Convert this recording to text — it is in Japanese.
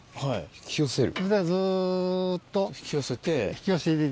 引き寄せる。